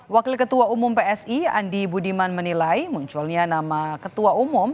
wakil ketua umum psi andi budiman menilai munculnya nama ketua umum